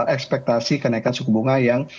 ekspektasi kenaikan suku bunga yang